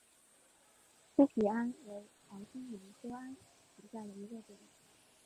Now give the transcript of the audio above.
粗皮桉为桃金娘科桉属下的一个种。